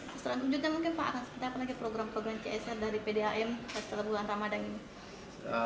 nah selanjutnya mungkin pak akan seperti apa lagi program program csr dari pdam setelah bulan ramadhan ini